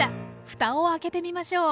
ふたを開けてみましょう。